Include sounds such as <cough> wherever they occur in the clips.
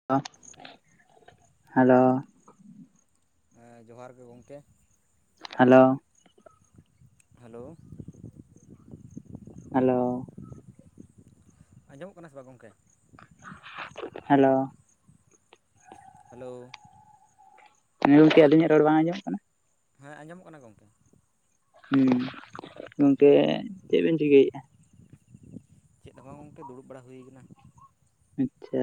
Hello. ᱦᱮᱸ, ᱡᱚᱦᱟᱨ ᱜᱮ ᱜᱚᱝᱠᱮ ᱾ ᱦᱮᱞᱳ ᱾ ᱦᱮᱞᱳ ᱾ ᱦᱮᱞᱳ ᱾ ᱟᱸᱡᱚᱢᱚᱜ ᱠᱟᱱᱟ ᱥᱮ ᱵᱟᱝ ᱜᱚᱝᱠᱮ? ᱦᱮᱞᱳ ᱾ ᱦᱮᱞᱳ ᱾ ᱦᱮᱸ, ᱜᱚᱝᱠᱮ ᱟᱹᱞᱤᱧᱟᱜ ᱨᱚᱲ ᱵᱟᱝ ᱟᱸᱡᱚᱢ ᱠᱟᱱᱟ? ᱦᱮᱸ, ᱟᱸᱡᱚᱢᱚᱜ ᱠᱟᱱᱟ ᱜᱚᱝᱠᱮ ᱾ ᱦᱩᱸ᱾ ᱜᱚᱝᱠᱮ ᱪᱮᱫ ᱵᱮᱱ ᱪᱤᱠᱟᱹᱭᱮᱜᱼᱟ? ᱪᱮᱫ ᱦᱚᱸ ᱵᱟᱝ ᱜᱚᱝᱠᱮ? ᱫᱩᱲᱩᱵ ᱵᱟᱲᱟ ᱦᱩᱭᱟᱠᱟᱱᱟ ᱾ ᱟᱪᱪᱷᱟ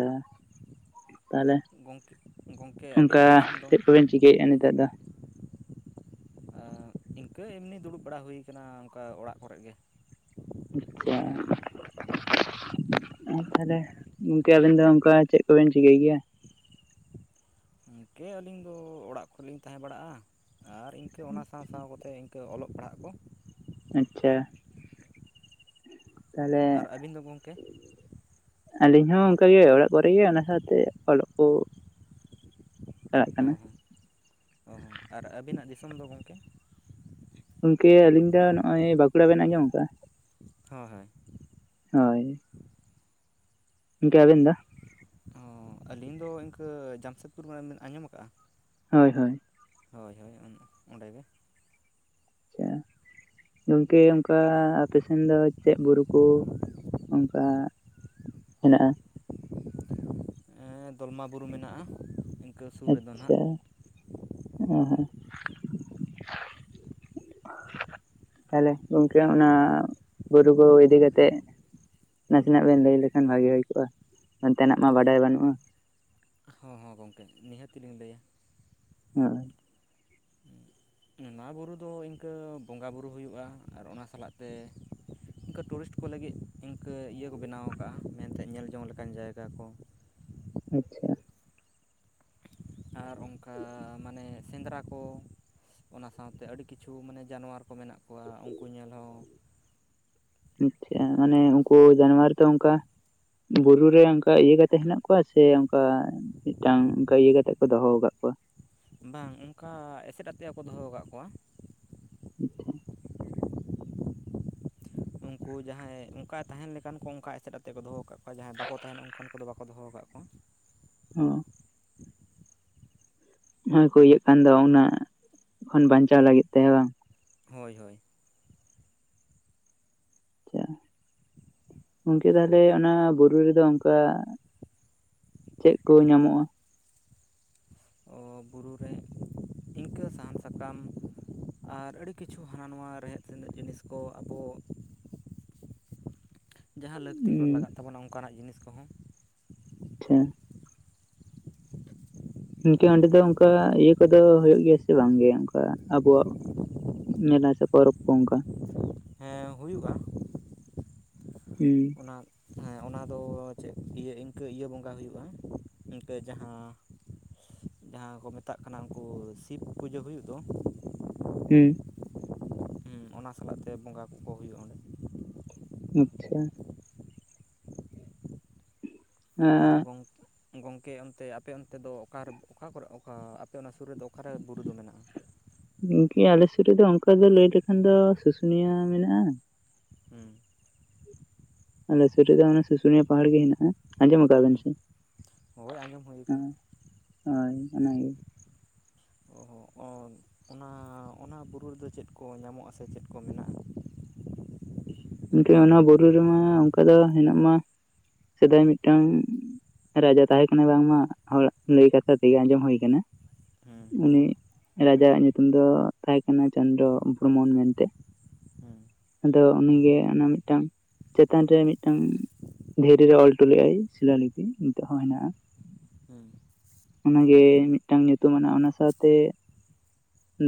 ᱾ ᱛᱟᱦᱚᱞᱮ ᱜᱚᱢᱠᱮ ᱜᱚᱢᱠᱮ ᱚᱱᱠᱟ ᱟᱹᱵᱤᱱᱟᱜ ᱫᱤᱥᱚᱢ ᱫᱚ ᱪᱮᱫ ᱠᱚᱵᱮᱱ ᱪᱤᱠᱟᱹᱭᱮᱜᱼᱟ ᱱᱤᱛᱚᱜ ᱫᱚ? ᱤᱱᱠᱟᱹ ᱮᱢᱱᱤ ᱫᱩᱲᱩᱵ ᱵᱟᱲᱟ ᱦᱩᱭ ᱠᱟᱱᱟ ᱚᱱᱠᱟ ᱚᱲᱟᱜ ᱠᱚᱨᱮ ᱜᱮ ᱾ ᱟᱪᱪᱷᱟ ᱾ <unintelligible> ᱛᱟᱦᱚᱞᱮ ᱜᱚᱝᱠᱮ ᱟᱹᱵᱤᱱ ᱫᱚ ᱚᱱᱠᱟ ᱪᱮᱫ ᱠᱚᱵᱮᱱ ᱪᱤᱠᱟᱹᱭ ᱜᱮᱭᱟ? ᱜᱚᱝᱠᱮ ᱟᱹᱞᱤᱧ ᱫᱚ ᱚᱲᱟᱜ ᱠᱚᱨᱮ ᱞᱤᱧ ᱛᱟᱦᱮᱸ ᱵᱟᱲᱟᱜᱼᱟ ᱾ ᱟᱨ ᱤᱱᱠᱟᱹ ᱚᱱᱟ ᱥᱟᱶ ᱥᱟᱶᱛᱮ ᱤᱱᱠᱟᱹ ᱚᱞᱚᱜ ᱯᱟᱲᱦᱟᱜ ᱠᱚ ᱾ ᱟᱪᱪᱷᱟ, ᱛᱟᱦᱞᱮ ᱟᱨ ᱟᱹᱵᱤᱱ ᱫᱚ ᱜᱚᱢᱠᱮ ᱟᱹᱞᱤᱧ ᱦᱚᱸ ᱚᱱᱠᱟ ᱜᱮ ᱚᱲᱟᱜ ᱠᱚᱨᱮ ᱜᱮ, ᱚᱱᱟ ᱥᱟᱶᱛᱮ ᱚᱞᱚᱜ ᱠᱚ ᱾ ᱪᱟᱞᱟᱜ ᱚ ᱠᱟᱱᱟ ᱾ ᱦᱚᱸ ᱚ ᱦᱚᱸ ᱟᱨ ᱟᱹᱵᱤᱱᱟᱜ ᱫᱤᱥᱚᱢ ᱫᱚ ᱜᱚᱝᱠᱮ? ᱜᱚᱝᱠᱮ ᱟᱞᱤᱧ ᱫᱚ ᱱᱚᱜᱼᱚᱭ ᱵᱟᱸᱠᱩᱲᱟ ᱵᱮᱱ ᱟᱸᱡᱚᱢ ᱠᱟ ᱾ ᱦᱚ ᱦᱳᱭ ᱦᱳᱭ ᱤᱧᱠᱮ ᱟᱵᱤᱱᱫᱟ ᱚ ᱟᱹᱞᱤᱧ ᱫᱚ ᱤᱱᱠᱟᱹ ᱡᱟᱢᱥᱮᱫᱽᱯᱩᱨ ᱠᱷᱚᱱ ᱵᱮᱱ ᱟᱸᱡᱚᱢ ᱟᱠᱟᱫᱼᱟ ᱦᱳᱭ ᱦᱳᱭ ᱦᱳᱭ ᱦᱳᱭ ᱚᱸᱰᱮ ᱜᱮ ᱟᱪᱪᱷᱟ ᱜᱚᱝᱠᱮ ᱚᱱᱠᱟ ᱟᱯᱮᱥᱮᱱ ᱫᱚ ᱪᱮᱜ ᱵᱩᱨᱩ ᱠᱚ ᱚᱱᱠᱟ ᱦᱮᱱᱟᱜᱼᱟ ᱫᱚᱞᱢᱟ ᱵᱩᱨᱩ ᱢᱮᱱᱟᱜᱼᱟ ᱤᱱᱠᱟᱹ ᱥᱩᱨ ᱨᱮᱫᱚ ᱱᱟᱦᱟᱜ ᱟᱪᱪᱷᱟ ᱚ ᱦᱮ ᱛᱟᱦᱞᱮ ᱜᱚᱝᱠᱮ ᱚᱱᱟ ᱵᱩᱨᱩ ᱠᱚ ᱤᱫᱤ ᱠᱟᱛᱮ ᱱᱟᱥᱮᱱᱟᱜ ᱵᱮᱱ ᱞᱟᱹᱭ ᱞᱮᱠᱷᱟᱱ ᱵᱷᱟᱜᱤ ᱦᱩᱭ ᱠᱚᱜᱼᱟ ᱚᱱᱛᱮᱱᱟᱜ ᱢᱟ ᱵᱟᱰᱟᱭ ᱵᱟᱹᱱᱩᱜᱼᱟ ᱦᱚᱸ ᱦᱚᱸ ᱜᱚᱢᱠᱮ ᱱᱤᱦᱟᱹᱛ ᱛᱮᱞᱤᱧ ᱞᱟᱹᱭᱟ <inaudible> ᱱᱚᱣᱟ ᱵᱩᱨᱩ ᱫᱚ ᱤᱱᱠᱟᱹ ᱵᱚᱸᱜᱟᱼᱵᱩᱨᱩ ᱦᱩᱭᱩᱜᱼᱟ ᱟᱨ ᱚᱱᱟ ᱥᱟᱞᱟᱜ ᱛᱮ ᱤᱱᱠᱟᱹ ᱴᱩᱨᱤᱥᱴ ᱠᱚ ᱞᱟᱹᱜᱤᱫ ᱤᱱᱠᱟᱹ ᱤᱭᱟᱹ ᱠᱚ ᱵᱮᱱᱟᱣ ᱠᱟᱜᱼᱟ ᱢᱮᱱᱛᱮ ᱧᱮᱞ ᱡᱚᱝ ᱞᱮᱠᱟᱱ ᱡᱟᱭᱜᱟ ᱠᱚ ᱟᱪᱪᱷᱟ ᱟᱨ ᱚᱱᱠᱟ ᱢᱟᱱᱮ ᱥᱮᱸᱫᱽᱨᱟ ᱠᱚ ᱚᱱᱟ ᱥᱟᱶᱛᱮ ᱟᱹᱰᱤ ᱠᱤᱪᱷᱩ ᱢᱟᱱᱮ ᱡᱟᱱᱣᱟᱨ ᱠᱚ ᱢᱮᱱᱟᱜ ᱠᱚᱣᱟ ᱩᱱᱠᱩ ᱧᱮᱞ ᱦᱚᱸ ᱟᱪᱪᱷᱟ ᱢᱟᱱᱮ ᱩᱱᱠᱩ ᱡᱟᱱᱣᱟᱨ ᱛᱮ ᱚᱱᱠᱟ ᱵᱩᱨᱩᱨᱮ ᱚᱱᱠᱟ ᱤᱭᱟᱹ ᱠᱟᱛᱮᱜ ᱦᱮᱱᱟᱜ ᱠᱚᱣᱟ ᱥᱮ ᱚᱱᱠᱟ ᱢᱤᱫᱴᱟᱝ ᱚᱱᱠᱟ ᱤᱭᱟᱹ ᱠᱟᱛᱮᱜ ᱠᱚ ᱫᱚᱦᱚ ᱟᱠᱟᱫ ᱠᱚᱣᱟ ᱵᱟᱝ ᱚᱱᱠᱟ ᱮᱥᱮᱫ ᱟᱯᱮᱭᱟ ᱦᱚᱸ ᱠᱚ ᱫᱚᱦᱚ ᱠᱟᱜ ᱠᱚᱣᱟ ᱟᱪᱪᱷᱟ ᱩᱱᱠᱩ ᱡᱟᱦᱟᱸᱭ ᱚᱱᱠᱟ ᱛᱟᱦᱮᱱ ᱞᱮᱠᱟᱱ ᱠᱚ ᱚᱱᱠᱟ ᱮᱥᱮᱫ ᱟᱛᱮᱫ ᱠᱚ ᱫᱚᱦᱚ ᱟᱠᱟᱫ ᱠᱚᱣᱟ ᱡᱟᱦᱟᱸᱭ ᱵᱟᱠᱚ ᱛᱟᱦᱮᱱᱟ ᱩᱱᱠᱩ ᱚᱠᱷᱟᱱ ᱠᱚᱫᱚ ᱵᱟᱠᱚ ᱫᱚᱦᱚ ᱠᱟᱜ ᱠᱚᱣᱟ ᱦᱚ ᱦᱟ ᱠᱩ ᱤᱭᱟᱹᱜ ᱠᱟᱱ ᱫᱚ ᱩᱱᱟᱹᱜ ᱠᱷᱚᱱ ᱵᱟᱧᱪᱟᱣ ᱞᱟᱹᱜᱤᱫ ᱛᱮ ᱵᱟᱝ ᱦᱳᱭ ᱦᱳᱭ ᱟᱪᱪᱷᱟ ᱜᱚᱝᱠᱮ ᱛᱟᱦᱚᱞᱮ ᱚᱱᱟ ᱵᱩᱨᱩ ᱨᱮᱫᱚ ᱚᱱᱠᱟ ᱪᱮᱫ ᱠᱚ ᱧᱟᱢᱚᱜᱼᱟ ᱵᱩᱨᱩ ᱨᱮ ᱤᱱᱠᱟᱹ ᱥᱟᱦᱟᱱ ᱥᱟᱠᱟᱢ ᱟᱨ ᱟᱹᱰᱤ ᱠᱤᱪᱷᱩ ᱦᱟᱱᱟ ᱱᱚᱣᱟ ᱨᱮᱦᱮᱫ ᱥᱮᱸᱱᱮᱫ ᱡᱤᱱᱤᱥ ᱠᱚ ᱟᱵᱚ <inaudible> ᱡᱟᱦᱟᱸ ᱞᱟᱹᱠᱛᱤ ᱠᱚᱨᱮ ᱞᱟᱜᱟᱜ ᱛᱟᱵᱚᱱᱟ ᱚᱱᱠᱟᱱᱟᱜ ᱡᱤᱱᱤᱥ ᱠᱚᱦᱚᱸ ᱟᱪᱪᱷᱟ ᱦᱚᱝᱠᱮ ᱚᱸᱰᱮ ᱫᱚ ᱚᱱᱠᱟ ᱤᱭᱟᱹ ᱠᱚᱫᱚ ᱦᱳᱭᱳᱜ ᱜᱮᱭᱟ ᱥᱮ ᱵᱟᱝ ᱜᱮ ᱚᱱᱠᱟ ᱟᱵᱚᱣᱟᱜ ᱧᱮᱞᱟ ᱥᱮ ᱯᱚᱨᱚᱵᱽ ᱚᱱᱠᱟ ᱦᱩᱭᱩᱜᱼᱟ ᱦᱩᱸ <unintelligible> ᱚᱱᱟ ᱫᱚᱸ ᱚᱱᱟᱫᱚ ᱪᱮᱫ ᱤᱭᱟᱹ ᱤᱱᱠᱟᱹ ᱤᱭᱟᱹ ᱵᱚᱸᱜᱟ ᱦᱩᱭᱩᱜᱼᱟ ᱤᱱᱠᱟᱹ ᱡᱟᱦᱟᱸ ᱡᱟᱦᱟᱸ ᱠᱚ ᱢᱮᱛᱟᱜ ᱠᱟᱱᱟ ᱩᱱᱠᱩ ᱥᱤᱵ ᱯᱩᱡᱟᱹ ᱦᱩᱭᱩᱜ ᱫᱚ ᱦᱩᱸ ᱚᱱᱟ ᱥᱟᱞᱟᱜ ᱛᱮ ᱵᱚᱸᱜᱟ ᱠᱚᱠᱚ ᱦᱩᱭᱩᱜᱼᱟ ᱚᱸᱰᱮ ᱟᱪᱪᱷᱟ ᱟᱨ ᱟᱪᱪᱷᱟ ᱜᱚᱝᱠᱮ ᱜᱚᱝᱠᱮ ᱚᱱᱛᱮ ᱟᱯᱮ ᱚᱱᱛᱮ ᱫᱚ ᱚᱠᱟᱨᱮ ᱚᱠᱟ ᱠᱚᱨᱮ ᱚᱠᱟ ᱟᱯᱮ ᱚᱱᱟ ᱥᱩᱨ ᱨᱮᱫᱚ ᱚᱠᱟᱨᱮ ᱵᱩᱨᱩ ᱫᱚ ᱢᱮᱱᱟᱜᱼᱟ ᱜᱩᱝᱠᱤ ᱟᱞᱮ ᱥᱩᱨ ᱨᱮᱫᱚ ᱚᱱᱠᱟ ᱫᱚ ᱞᱟᱹᱭ ᱞᱮᱠᱷᱟᱱ ᱫᱚ ᱥᱩᱥᱩᱱᱤᱭᱟ ᱢᱮᱱᱟᱜᱼᱟ ᱦᱩᱸ ᱟᱞᱮ ᱥᱩᱨ ᱨᱮᱜᱮ ᱚᱱᱟ ᱥᱩᱥᱩᱱᱤᱭᱟᱹ ᱯᱟᱦᱟᱲ ᱜᱮ ᱦᱮᱱᱟᱜᱼᱟ ᱟᱸᱡᱚᱢ ᱟᱠᱟᱜ-ᱟ ᱵᱮᱱ ᱥᱮ ᱦᱳᱭ ᱟᱸᱡᱚᱢ ᱦᱩᱭ ᱟᱠᱟᱱᱟ ᱦᱮᱸ ᱦᱳᱭ ᱚᱱᱟ ᱜᱮ ᱚᱸ ᱚᱱ ᱚᱱᱟ ᱚᱱᱟ ᱵᱩᱨᱩ ᱨᱮᱫᱚ ᱪᱮᱫ ᱠᱚ ᱧᱟᱢᱚᱜ-ᱟ ᱥᱮ ᱪᱮᱫ ᱠᱚ ᱢᱮᱱᱟᱜᱼᱟ ᱜᱚᱝᱠᱮ ᱚᱱᱟ ᱵᱩᱨᱩ ᱨᱮᱢᱟ ᱚᱱᱠᱟ ᱫᱚ ᱦᱮᱱᱟᱜ ᱢᱟ ᱥᱮᱫᱟᱭ ᱢᱤᱫ ᱴᱟᱝ ᱨᱟᱡᱟ ᱛᱟᱦᱮᱸ ᱠᱟᱱᱟᱭ ᱵᱟᱝ ᱢᱟ ᱦᱚᱲᱟᱜ ᱞᱟᱹᱭ ᱠᱟᱛᱷᱟ ᱛᱮᱜᱮ ᱟᱸᱡᱚᱢ ᱦᱩᱭ ᱟᱠᱟᱱᱟ ᱦᱮᱸ ᱩᱱᱤ ᱨᱟᱡᱟᱣᱟᱜ ᱧᱩᱛᱩᱢ ᱫᱚ ᱛᱟᱦᱮᱸ ᱠᱟᱱᱟ ᱪᱚᱱᱫᱽᱨᱚ ᱵᱨᱚᱢᱚᱱ ᱢᱮᱱ ᱛᱮ ᱦᱮᱸ ᱩᱱᱤ ᱜᱮ ᱚᱱᱟ ᱢᱤᱫ ᱴᱟᱝ ᱪᱮᱛᱟᱱ ᱨᱮ ᱢᱤᱫ ᱴᱟᱝ ᱫᱷᱤᱨᱤ ᱨᱮ ᱚᱞ ᱦᱚᱴᱚ ᱞᱮᱫᱼᱟᱭ ᱥᱤᱞᱟ ᱞᱤᱯᱤ ᱱᱤᱛᱚᱜ ᱦᱚᱸ ᱦᱮᱱᱟᱜᱼᱟ ᱦᱮᱸ ᱚᱱᱟ ᱜᱮ ᱢᱤᱫ ᱴᱟᱝ ᱧᱩᱛᱩᱢ ᱟᱱᱟᱜ ᱚᱱᱟ ᱥᱟᱶ ᱛᱮ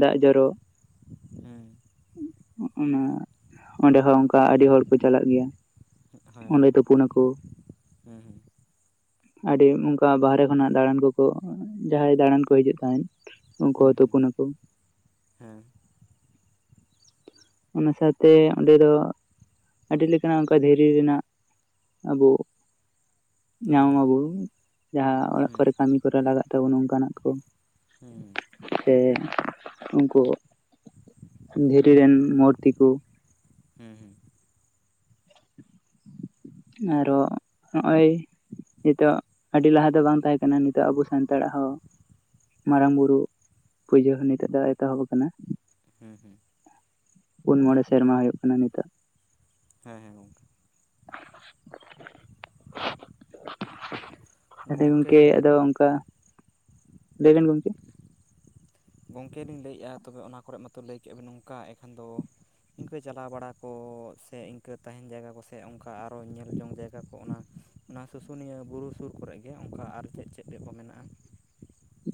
ᱫᱟᱜ ᱡᱚᱨᱚ ᱚᱱᱟ ᱚᱸᱰᱮ ᱦᱚ ᱚᱱᱠᱟ ᱟᱹᱰᱤ ᱦᱚᱲ ᱠᱚ ᱪᱟᱞᱟᱜ ᱜᱮᱭᱟ ᱦᱮᱸ ᱚᱸᱰᱮ ᱛᱩᱯᱩᱱ ᱟᱠᱚ ᱦᱮᱸ ᱜᱚᱝᱠᱮ ᱟᱹᱰᱤ ᱚᱱᱠᱟ ᱵᱟᱦᱨᱮ ᱠᱷᱚᱱᱟᱜ ᱫᱟᱬᱟᱱ ᱠᱚᱠᱚ ᱡᱟᱦᱟᱸᱭ ᱫᱟᱬᱟᱱ ᱠᱚ ᱦᱤᱡᱩᱜ ᱠᱷᱟᱡ ᱦᱮᱸ ᱦᱮᱸ ᱦᱮᱸ ᱚᱱᱟ ᱥᱟᱶ ᱛᱮ ᱚᱸᱰᱮ ᱫᱚ ᱟᱹᱰᱤ ᱞᱮᱠᱟᱱᱟᱜ ᱚᱱᱠᱟ ᱫᱷᱤᱨᱤ ᱨᱮᱱᱟᱜ ᱟᱵᱚ ᱦᱮᱸ ᱧᱟᱢ ᱦᱮᱸ ᱦᱮᱸ ᱟᱵᱚ ᱡᱟᱦᱟ ᱚᱲᱟᱜ ᱦᱮᱸ ᱠᱚᱨᱮ ᱠᱟᱹᱢᱤ ᱠᱚᱨᱮ ᱞᱟᱜᱟᱜ ᱛᱟᱵᱚᱱ ᱚᱱᱠᱟ ᱱᱟᱜ ᱠᱚ ᱦᱮᱸ ᱦᱮᱸ ᱥᱮ ᱩᱱᱠᱩ ᱫᱷᱤᱨᱤ ᱨᱮᱱ ᱢᱩᱨᱛᱤ ᱠᱚ ᱦᱮᱸ ᱦᱮᱸ ᱟᱨᱚ ᱱᱚᱜᱼᱚᱭ ᱱᱤᱛᱚᱜ ᱟᱹᱰᱤ ᱞᱟᱦᱟ ᱫᱚ ᱵᱟᱝ ᱛᱟᱦᱮ ᱠᱟᱱᱟ ᱱᱤᱛᱚᱜ ᱟᱵᱚ ᱥᱟᱱᱛᱟᱲᱟᱜ ᱦᱚ ᱢᱟᱨᱟᱝ ᱵᱩᱨᱩ ᱯᱩᱡᱟᱹ ᱦᱚ ᱱᱤᱛᱚᱜ ᱫᱚ ᱮᱛᱚᱦᱚᱵ ᱟᱠᱟᱱᱟ ᱦᱮᱸ ᱦᱮᱸ ᱯᱩᱱ ᱢᱚᱬᱮ ᱥᱮᱨᱢᱟ ᱦᱩᱭᱩᱜ ᱠᱟᱱᱟ ᱱᱤᱛᱚᱜ ᱦᱮᱸ ᱦᱮᱸ ᱜᱚᱝᱠᱮ <unintelligible> ᱟᱫᱚ ᱜᱚᱝᱠᱮ ᱟᱫᱚ ᱚᱱᱠᱟ ᱞᱟᱹᱭ ᱵᱮᱱ ᱜᱚᱝᱠᱮ ᱜᱚᱝᱠᱮ ᱞᱤᱧ ᱞᱟᱹᱭ ᱮᱫᱼᱟ ᱛᱚᱵᱮ ᱚᱱᱟ ᱠᱚᱨᱮ ᱢᱟᱛᱚ ᱞᱟᱹᱭ ᱠᱮᱫ ᱟᱵᱮᱱ ᱱᱚᱝᱠᱟ ᱮᱱᱠᱷᱟᱱ ᱫᱚ ᱤᱱᱠᱟᱹ ᱪᱟᱞᱟᱣ ᱵᱟᱲᱟ ᱠᱚ ᱥᱮ ᱤᱱᱠᱟᱹ ᱛᱟᱦᱮᱱ ᱡᱟᱭᱜᱟ ᱠᱚ ᱥᱮ ᱚᱱᱠᱟ ᱧᱮᱞ ᱡᱚᱝ ᱡᱟᱭᱜᱟ ᱠᱚ ᱚᱱᱟ, ᱚᱱᱟ ᱥᱩᱥ ᱩᱱᱤᱭᱟᱹ ᱵᱩᱨᱩ ᱥᱩᱨ ᱠᱚᱨᱮ ᱜᱮ ᱚᱱᱠᱟ ᱟᱨ ᱪᱮᱫ ᱪᱮᱫ ᱠᱚ ᱢᱮᱱᱟᱜᱼᱟ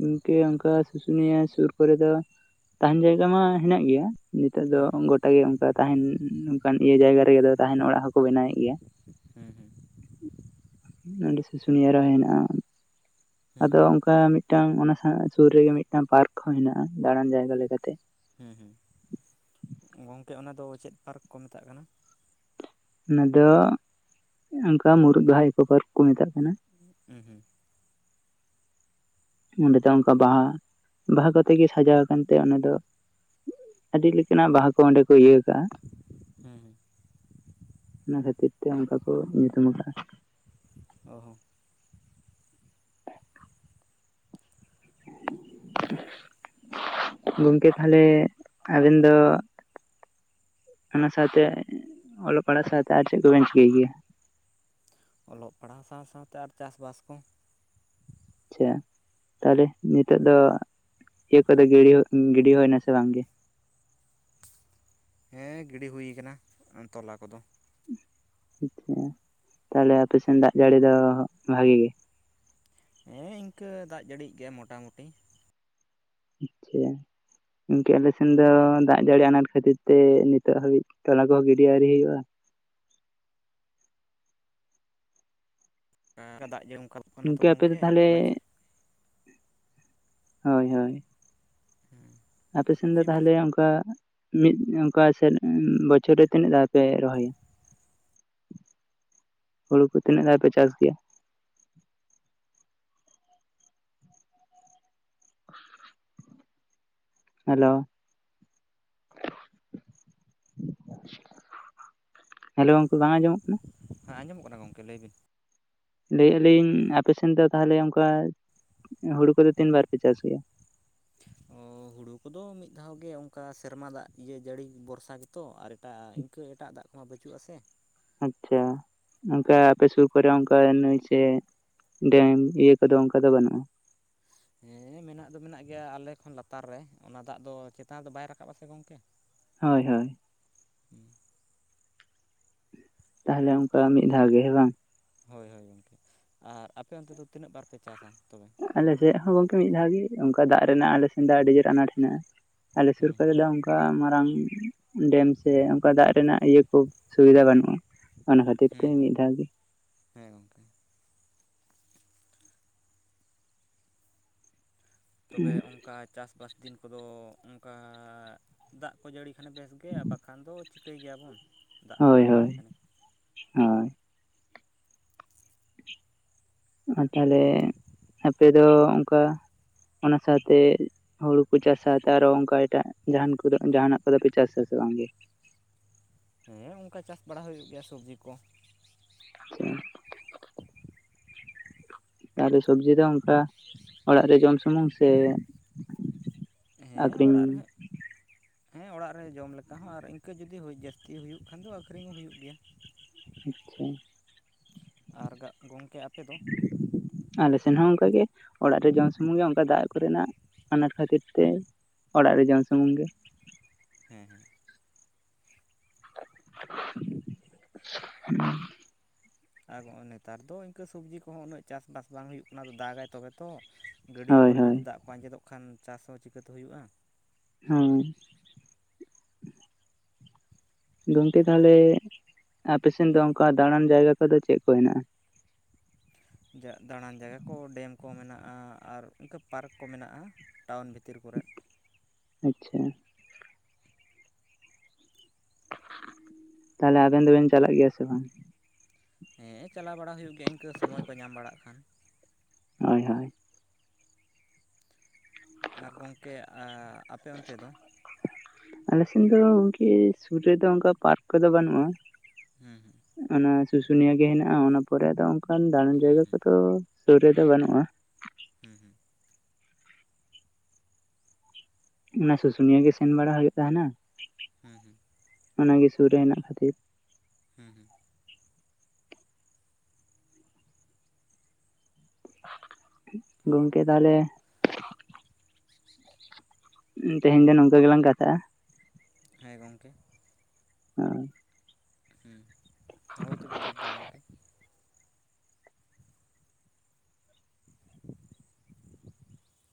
ᱤᱱᱠᱟᱹ ᱚᱱᱠᱟ ᱥᱩᱥᱩᱱᱤᱭᱟᱹ ᱥᱩᱨ ᱠᱚᱨᱮ ᱫᱚ ᱛᱟᱦᱮᱱ ᱡᱟᱭᱜᱟ ᱢᱟ ᱦᱮᱱᱟᱜ ᱜᱮᱭᱟ ᱱᱤᱛᱚᱜ ᱫᱚ ᱦᱮᱸ ᱦᱮᱸ ᱜᱚᱴᱟ ᱜᱮ ᱚᱱᱠᱟ ᱛᱟᱦᱮᱱ ᱚᱱᱠᱟᱱ ᱤᱭᱟᱹ ᱡᱟᱭᱜᱟ ᱨᱮᱜᱮ ᱫᱚ ᱛᱟᱦᱮᱱ ᱚᱲᱟᱜ ᱦᱚ ᱠᱚ ᱵᱮᱱᱟᱣᱮᱫ ᱜᱮᱭᱟ ᱦᱮᱸ ᱦᱮᱸ ᱱᱚᱸᱰᱮ ᱥᱩᱥᱩᱱᱤᱭᱟᱹ ᱨᱮᱦᱚᱸ ᱦᱮᱱᱟᱜᱼᱟ ᱦᱮᱸ ᱟᱫᱚ ᱚᱱᱠᱟ ᱢᱤᱫ ᱴᱟᱝ ᱚᱱᱟ ᱥᱩᱨ ᱨᱮᱜᱮ ᱢᱤᱫ ᱴᱟᱝ ᱯᱟᱨᱠ ᱦᱚᱸ ᱦᱮᱱᱟᱜᱼᱟ ᱫᱟᱬᱟᱱ ᱡᱟᱭᱜᱟ ᱞᱮᱠᱟ ᱛᱮ ᱦᱩᱸ ᱦᱩᱸ ᱜᱚᱝᱠᱮ ᱚᱱᱟ ᱫᱚ ᱪᱮᱫ ᱯᱟᱨᱠ ᱠᱚ ᱢᱮᱛᱟᱜ ᱠᱟᱱᱟ ᱚᱱᱟ ᱫᱚ ᱚᱱᱠᱟ ᱢᱩᱨᱩᱫ ᱵᱟᱦᱟ ᱤᱠᱳ ᱯᱟᱨᱠ ᱠᱚ ᱢᱮᱛᱟᱜ ᱠᱟᱱᱟ ᱦᱩᱸ ᱦᱩᱸ ᱚᱸᱰᱮ ᱫᱚ ᱚᱱᱠᱟ ᱵᱟᱦᱟ, ᱵᱟᱦᱟ ᱠᱚᱛᱮ ᱜᱮ ᱥᱟᱡᱟᱣ ᱟᱠᱟᱱ ᱛᱮ ᱚᱸᱰᱮ ᱫᱚ ᱟᱹᱰᱤ ᱞᱮᱠᱟ ᱱᱟᱜ ᱵᱟᱦᱟ ᱠᱚ ᱚᱸᱰᱮ ᱠᱚ ᱤᱭᱟᱹ ᱠᱟᱜ-ᱟ ᱦᱩᱸ ᱦᱩᱸ ᱚᱱᱟ ᱠᱷᱟᱹᱛᱤᱨ ᱛᱮ ᱚᱱᱠᱟ ᱠᱚ ᱧᱩᱛᱩᱢ ᱠᱟᱜᱼᱟ ᱚ ᱦᱚ ᱜᱚᱝᱠᱮ ᱛᱟᱦᱚᱞᱮ ᱟᱵᱮᱱ ᱫᱚ ᱚᱱᱟ ᱥᱟᱶ ᱛᱮ ᱚᱞᱚᱜ ᱯᱟᱲᱦᱟᱜ ᱥᱟᱶ ᱛᱮ ᱟᱨ ᱪᱮᱫ ᱠᱚᱵᱮᱱ ᱪᱤᱠᱟᱹᱭ ᱜᱮᱭᱟ ᱚᱞᱚᱜ ᱯᱟᱲᱦᱟᱣ ᱥᱟᱶ ᱥᱟᱶ ᱛᱮ ᱟᱨ ᱪᱟᱥ ᱵᱟᱥ ᱠᱚ ᱪᱷᱟ ᱛᱟᱦᱞᱮ ᱱᱤᱛᱚᱜ ᱫᱚ ᱤᱭᱟᱹ ᱠᱚᱫᱚ ᱜᱤᱰᱤ ᱜᱤᱰᱤ ᱦᱩᱭ ᱱᱟ ᱥᱮ ᱵᱟᱝ ᱜᱮ? ᱦᱮᱸ ᱜᱤᱰᱤ ᱦᱩᱭ ᱠᱟᱱᱟ ᱛᱚᱞᱟ ᱠᱚᱫᱚ᱾ <unintelligible> ᱛᱟᱦᱞᱮ ᱟᱯᱮ ᱥᱮᱱ ᱫᱟᱜ ᱡᱟᱹᱲᱤ ᱫᱚ ᱵᱷᱟᱜᱤ ᱜᱮ? ᱦᱮᱸ ᱤᱝᱠᱟᱹ ᱫᱟᱜ ᱡᱟᱹᱲᱤᱜ ᱜᱮᱭᱟᱭ ᱢᱚᱴᱟ ᱢᱩᱴᱤ᱾ ᱟᱪᱪᱷᱟ ᱜᱚᱝᱠᱮ ᱟᱞᱮ ᱥᱮᱱ ᱫᱚ ᱫᱟᱜ ᱡᱟᱹᱲᱤ ᱟᱸᱱᱟᱴ ᱠᱷᱟᱹᱛᱤᱨ ᱛᱮ ᱱᱤᱛᱚᱜ ᱦᱟᱹᱵᱤᱡ ᱛᱚᱞᱟ ᱠᱚᱦᱚᱸ ᱜᱤᱰᱤ ᱟᱣᱨᱤ ᱦᱩᱭᱩᱜᱼᱟ᱾ ᱮᱸ ᱫᱟᱜ <unintelligible> ᱜᱚᱝᱠᱮ ᱟᱯᱮ ᱫᱚ ᱜᱚᱢᱠᱮ ᱛᱟᱦᱞᱮ ᱚᱱᱟ ᱦᱳᱭ ᱦᱳᱭ᱾ ᱦᱩᱸ ᱟᱯᱮ ᱥᱮᱱ ᱫᱚ ᱛᱟᱦᱞᱮ ᱚᱝᱠᱟ ᱢᱤᱫ ᱚᱝᱠᱟ ᱥᱮ ᱵᱚᱪᱷᱚᱨ ᱨᱮ ᱛᱤᱱᱟᱹᱜ ᱫᱷᱟᱣ ᱯᱮ ᱨᱚᱦᱚᱭᱟ? ᱦᱩᱲᱩ ᱠᱚ ᱛᱤᱱᱟᱹᱜ ᱫᱷᱟᱣ ᱯᱮ ᱪᱟᱥ ᱜᱮᱭᱟ? ᱦᱮᱞᱳ ᱦᱮᱞᱳ ᱜᱚᱝᱠᱮ ᱵᱟᱝ ᱟᱸᱡᱚᱢᱚᱜ ᱠᱟᱱᱟ? ᱦᱮᱸ ᱟᱸᱡᱚᱢᱚᱜ ᱠᱟᱱᱟ ᱜᱚᱝᱠᱮ ᱞᱟᱹᱭ ᱵᱤᱱ᱾ ᱞᱟᱹᱭᱮᱜ ᱟᱞᱤᱧ ᱟᱯᱮᱥᱮᱱ ᱫᱚ ᱛᱟᱦᱞᱮ ᱚᱝᱠᱟ ᱦᱩᱲᱩ ᱠᱚᱫᱚ ᱛᱤᱱ ᱵᱟᱨ ᱯᱮ ᱪᱟᱥ ᱜᱮᱭᱟ? ᱚ ᱦᱩᱲᱩ ᱠᱚᱫᱚ ᱢᱤᱫ ᱫᱷᱟᱣ ᱜᱮ ᱚᱝᱠᱟ ᱥᱮᱨᱢᱟ ᱫᱟᱜ ᱤᱭᱟᱹ ᱡᱟᱹᱲᱤ ᱵᱚᱨᱥᱟ ᱜᱮᱛᱚ ᱟᱨ ᱮᱴᱟᱜᱼᱟ ᱤᱱᱠᱟᱹ ᱮᱴᱟᱜ ᱫᱟᱜ ᱠᱚᱢᱟ ᱵᱟᱹᱪᱩᱜᱼᱟ ᱥᱮ᱾ ᱟᱪᱪᱷᱟ ᱚᱝᱠᱟ ᱟᱯᱮ ᱥᱩᱨ ᱠᱚᱨᱮ ᱚᱝᱠᱟ ᱱᱟᱹᱭ ᱥᱮ ᱰᱮᱢ ᱤᱭᱟᱹ ᱠᱚᱫᱚ ᱚᱝᱠᱟ ᱫᱚ ᱵᱟᱹᱱᱩᱜᱼᱟ? ᱦᱮᱸ ᱢᱮᱱᱟᱜ ᱫᱚ ᱢᱮᱱᱟᱜ ᱜᱮᱭᱟ ᱟᱞᱮ ᱠᱷᱚᱱ ᱞᱟᱛᱟᱨ ᱨᱮ ᱚᱱᱟ ᱫᱟᱜ ᱫᱚ ᱪᱮᱛᱟᱱ ᱫᱚ ᱵᱟᱭ ᱨᱟᱠᱟᱵᱼᱟ ᱥᱮ ᱜᱚᱝᱠᱮ᱾ ᱦᱳᱭ ᱦᱳᱭ ᱩᱸ ᱛᱟᱦᱚᱞᱮ ᱚᱱᱠᱟ ᱟᱨ ᱢᱤᱫ ᱫᱷᱟᱣ ᱜᱮ ᱦᱮᱸ ᱵᱟᱝ ᱦᱳᱭ ᱦᱳᱭ ᱜᱚᱝᱠᱮ, ᱟᱨ ᱟᱯᱮ ᱚᱱᱛᱮ ᱫᱚ ᱛᱤᱱᱟᱹᱜ ᱵᱟᱨ ᱯᱮ ᱪᱟᱥᱟ? ᱛᱚᱵᱮ ᱜᱚᱢᱠᱮ ᱟᱞᱮᱥᱮᱜ ᱦᱚᱸ ᱜᱚᱝᱠᱮ ᱢᱤᱫ ᱫᱷᱟᱣ ᱜᱮ ᱚᱝᱠᱟ ᱫᱟᱜ ᱨᱮᱱᱟᱜ ᱟᱞᱮ ᱥᱮᱱ ᱫᱚ ᱟᱹᱰᱤ ᱡᱳᱨ ᱟᱱᱟᱴ ᱦᱮᱸᱱᱟᱜᱼᱟ᱾ ᱟᱞᱮ ᱥᱩᱨ ᱦᱩᱸ ᱠᱚᱨᱮ ᱦᱩᱸ ᱫᱚ ᱚᱝᱠᱟ ᱢᱟᱨᱟᱝ ᱰᱮᱢ ᱥᱮ ᱚᱝᱠᱟ ᱫᱟᱜ ᱨᱮᱱᱟᱜ ᱤᱭᱟᱹ ᱠᱷᱩᱵ ᱥᱩᱵᱤᱫᱟ ᱵᱟᱹᱱᱩᱜᱼᱟ ᱚᱱᱟ ᱠᱷᱟᱹᱛᱤᱨ ᱛᱮ ᱦᱩᱸ ᱢᱤᱫ ᱫᱷᱟᱣ ᱜᱮ ᱦᱮᱸ ᱜᱚᱝᱠᱮ᱾ ᱛᱚᱵᱮ ᱚᱝᱠᱟ ᱪᱟᱥᱵᱟᱥ ᱫᱤᱱ ᱠᱚᱫᱚ ᱚᱝᱠᱟ ᱫᱟᱜ ᱠᱚ ᱡᱟᱹᱲᱤ ᱠᱷᱟᱱᱮ ᱵᱮᱥ ᱜᱮ ᱟᱨ ᱵᱟᱠᱷᱟᱱ ᱫᱚ ᱪᱤᱠᱟᱹᱭ ᱜᱮᱭᱟᱵᱚᱱ? ᱫᱟᱜ ᱠᱚ ᱦᱳᱭ ᱵᱟᱝ ᱡᱟᱹᱲᱤ ᱦᱳᱭ ᱠᱷᱟᱱᱮ ᱦᱚᱸ ᱟ ᱛᱟᱦᱞᱮ ᱟᱯᱮ ᱫᱚ ᱚᱝᱠᱟ ᱚᱱᱟ ᱥᱟᱶᱛᱮ ᱦᱩᱲᱩ ᱠᱚ ᱪᱟᱥᱟ ᱟᱨᱚ ᱚᱝᱠᱟ ᱮᱴᱟᱜ ᱡᱟᱸᱦᱟᱱ ᱠᱚᱫᱚ ᱡᱟᱦᱟᱸᱱᱟᱜ ᱠᱚᱫᱚ ᱯᱮ ᱪᱟᱥᱟ ᱥᱮ ᱵᱟᱝᱜᱮ? ᱦᱮᱸ ᱚᱝᱠᱟ ᱪᱟᱥ ᱵᱟᱲᱟ ᱦᱩᱭᱩᱜ ᱜᱮᱭᱟ ᱥᱚᱵᱽᱡᱤ ᱠᱚ᱾ <inaudible> ᱛᱟᱦᱚᱞᱮ ᱥᱚᱵᱡᱤ ᱫᱚ ᱚᱝᱠᱟ ᱚᱲᱟᱜ ᱨᱮ ᱡᱚᱢ ᱥᱩᱢᱩᱝ ᱥᱮ ᱦᱮᱸ ᱟᱠᱷᱨᱤᱧ ᱚᱲᱟᱜ ᱨᱮᱦᱚᱸᱜ ᱦᱮᱸ ᱚᱲᱟᱜ ᱨᱮ ᱡᱚᱢ ᱞᱮᱠᱟ ᱦᱚᱸ ᱟᱨ ᱤᱱᱠᱟᱹ ᱡᱩᱫᱤ ᱦᱩ ᱡᱟᱹᱥᱛᱤ ᱦᱩᱭᱩᱜ ᱠᱷᱟᱱ ᱫᱚ ᱟᱹᱠᱷᱨᱤᱧ ᱦᱚᱸ ᱦᱩᱭᱩᱜ ᱜᱮᱭᱟ᱾ ᱟᱪᱪᱷᱟ ᱟᱨ ᱜᱟᱜ ᱜᱝᱢᱠᱮ ᱟᱯᱮ ᱫᱚ? ᱟᱞᱮ ᱥᱮᱱ ᱦᱚᱸ ᱚᱝᱠᱟ ᱜᱮ ᱚᱲᱟᱜ ᱨᱮ ᱡᱚᱢ ᱥᱩᱢᱩᱝ ᱜᱮ ᱚᱝᱠᱟ ᱫᱟᱜ ᱠᱚᱨᱮᱱᱟᱜ ᱚᱱᱟᱴ ᱠᱷᱟᱹᱛᱤᱨ ᱛᱮ ᱚᱲᱟᱜ ᱨᱮ ᱡᱚᱢ ᱥᱩᱢᱩᱝ ᱜᱮ᱾ ᱦᱮᱸ ᱦᱮᱸ <inaudible> ᱟᱨ ᱜᱚᱼᱚᱸ ᱱᱮᱛᱟᱨ ᱫᱚ ᱤᱝᱠᱟᱹ ᱥᱚᱵᱽᱡᱤ ᱠᱚᱦᱚᱸ ᱩᱱᱟᱹᱜ ᱪᱟᱥᱵᱟᱥ ᱵᱟᱝ ᱦᱩᱭᱩᱜ ᱠᱟᱱᱟ ᱫᱟᱜᱟᱭ ᱛᱚᱵᱮ ᱛᱚ᱾ ᱜᱟᱹᱰᱭᱟᱹ ᱦᱳᱭ ᱠᱚᱨᱮᱜ ᱦᱳᱭ ᱡᱩᱫᱤ ᱫᱟᱜ ᱠᱚ ᱟᱸᱡᱮᱫᱚᱜ ᱠᱷᱟᱱ ᱪᱟᱥ ᱦᱚᱸ ᱪᱤᱠᱟᱹᱛᱮ ᱦᱩᱭᱩᱜᱼᱟ? ᱦᱩᱸ ᱜᱚᱝᱠᱮ ᱛᱟᱦᱞᱮ ᱟᱯᱮᱥᱮᱱ ᱫᱚ ᱚᱝᱠᱟ ᱫᱟᱸᱲᱟᱱ ᱡᱟᱭᱜᱟ ᱠᱚᱫᱚ ᱪᱮᱜ ᱠᱚ ᱦᱮᱱᱟᱜᱼᱟ? ᱡᱟ ᱫᱟᱸᱲᱟᱱ ᱡᱟᱭᱜᱟ ᱠᱚ ᱰᱮᱢ ᱠᱚ ᱢᱮᱱᱟᱜᱼᱟ, ᱟᱨ ᱤᱝᱠᱟᱹ ᱯᱟᱨᱠ ᱠᱚ ᱢᱮᱱᱟᱜᱼᱟ᱾ ᱴᱟᱣᱩᱱ ᱵᱷᱤᱛᱤᱨ ᱠᱚᱨᱮᱜ᱾ ᱟᱪᱪᱷᱟ ᱛᱟᱦᱞᱮ ᱟᱵᱮᱱ ᱫᱚᱵᱮᱱ ᱪᱟᱞᱟᱜ ᱜᱮᱭᱟ ᱥᱮ ᱵᱟᱝ ᱦᱮᱸ ᱪᱟᱞᱟᱣ ᱵᱟᱲᱟ ᱦᱩᱭᱩᱜ ᱜᱮᱭᱟ ᱤᱱᱠᱟᱹ ᱥᱚᱢᱚᱭ ᱠᱚ ᱧᱟᱢ ᱵᱟᱲᱟᱜ ᱠᱷᱟᱱ ᱦᱳᱭ ᱦᱳᱭ ᱟᱨ ᱜᱚᱢᱠᱮ ᱟᱯᱮ ᱚᱱᱛᱮ ᱫᱚ ᱟᱞᱮ ᱥᱮᱱ ᱫᱚ ᱜᱚᱝᱠᱮ ᱥᱩᱨ ᱨᱮᱫᱚ ᱚᱱᱠᱟ ᱯᱟᱨᱠ ᱠᱚᱫᱚ ᱵᱟᱹᱱᱩᱜᱼᱟ ᱦᱮᱸ ᱦᱮᱸ ᱚᱱᱟ ᱥᱩᱥᱩᱱᱤᱭᱟᱹ ᱜᱮ ᱦᱮᱱᱟᱜᱼᱟ ᱚᱱᱟ ᱯᱚᱨᱮ ᱟᱫᱚ ᱚᱱᱠᱟᱱ ᱫᱟᱬᱟᱱ ᱦᱮᱸ ᱡᱟᱭᱜᱟ ᱦᱮᱸ ᱠᱚᱫᱚ ᱥᱩᱨ ᱨᱮᱫᱚ ᱵᱟᱹᱱᱩᱜᱼᱟ ᱦᱮᱸ ᱦᱮᱸ ᱚᱱᱮ ᱥᱩᱥᱩᱱᱤᱭᱟᱹ ᱜᱮ ᱥᱮᱱ ᱵᱟᱲᱟ ᱦᱩᱭᱩᱜ ᱛᱟᱦᱮᱱᱟ ᱦᱮᱸ ᱦᱮᱸ ᱚᱱᱟ ᱜᱮ ᱥᱩᱨ ᱨᱮ ᱦᱮᱱᱟᱜ ᱠᱷᱟᱹᱛᱤᱨ ᱦᱮᱸ ᱦᱮᱸ ᱜᱚᱝᱠᱮ ᱛᱟᱦᱚᱞᱮ ᱛᱮᱦᱮᱧ ᱫᱚ ᱱᱚᱝᱠᱟ ᱜᱮᱞᱟᱝ ᱠᱟᱛᱷᱟᱜᱼᱟ ᱦᱮᱸ ᱜᱚᱢᱠᱮ ᱦᱮᱸ ᱦᱩᱸ ᱦᱳᱭ ᱛᱚᱵᱮ ᱴᱷᱤᱠ ᱜᱮᱭᱟ ᱜᱚᱢᱠᱮ <inaudible>